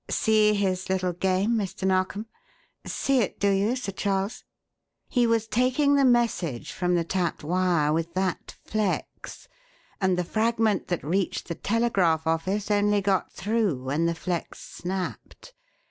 See his little game, Mr. Narkom? See it, do you, Sir Charles? He was taking the message from the tapped wire with that flex, and the fragment that reached the telegraph office only got through when the flex snapped.